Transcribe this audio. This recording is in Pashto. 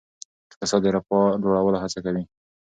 اقتصاد د رفاه لوړولو هڅه کوي.